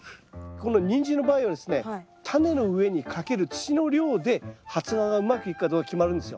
このニンジンの場合はですねタネの上にかける土の量で発芽がうまくいくかどうか決まるんですよ。